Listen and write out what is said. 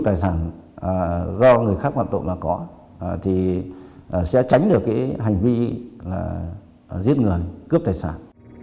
tài sản do người khác hoạt động mà có thì sẽ tránh được hành vi giết người cướp tài sản